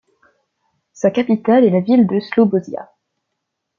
Sa capitale est la ville de Slobozia.